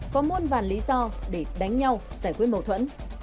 có muôn vàn lý do để đánh nhau giải quyết mâu thuẫn